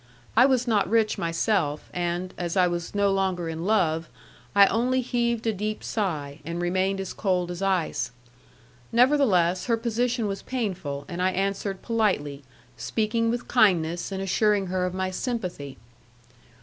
I was not rich myself, and, as I was no longer in love, I only heaved a deep sigh, and remained as cold as ice. Nevertheless, her position was painful, and I answered politely, speaking with kindness and assuring her of my sympathy.